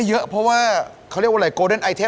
เชื่อตัวเอง